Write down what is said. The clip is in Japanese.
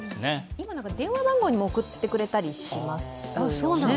今、電話番号にも送ってくれたりしますよね。